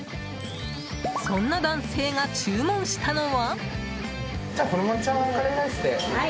そんな男性が注文したのは？